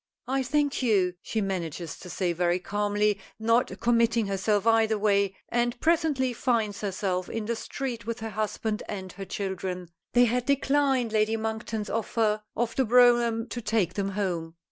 "I thank you," she manages to say very calmly, not committing herself, either way, and presently finds herself in the street with her husband and her children. They had declined Lady Monkton's offer of the brougham to take them home.